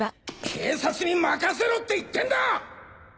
警察に任せろって言ってんだ！